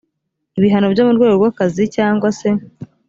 ibihano byo mu rwego rw akazi cyangwa se